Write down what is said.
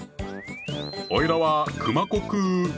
おいらは熊悟空。